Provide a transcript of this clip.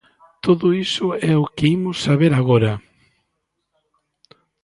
Todo iso é o que imos saber agora.